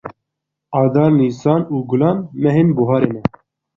Adar, Nîsan û Gulan mehên buharê ne.